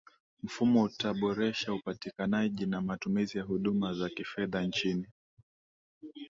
mfumo utaboresha upatikanaji na matumizi ya huduma za kifedha nchini